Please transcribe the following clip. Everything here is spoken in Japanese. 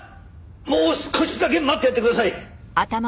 もう少しだけ待ってやってください。